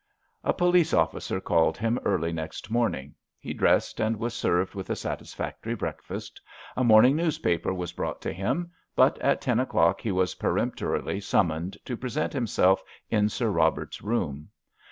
A police officer called him early next morning. He dressed and was served with a satisfactory breakfast. A morning newspaper was brought to him, but at ten o'clock he was peremptorily summoned to present himself in Sir Robert's room.